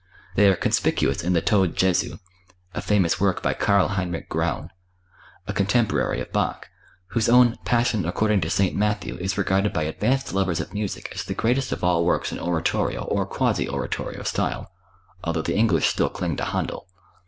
They are conspicuous in the "Tod Jesu," a famous work by Karl Heinrich Graun, a contemporary of Bach, whose own "Passion According to St. Matthew" is regarded by advanced lovers of music as the greatest of all works in oratorio or quasi oratorio style, although the English still cling to Händel.